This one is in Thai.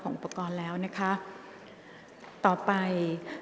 กรรมการท่านที่ห้าได้แก่กรรมการใหม่เลขเก้า